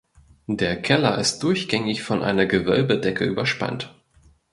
Der Keller ist durchgängig von einer Gewölbedecke überspannt.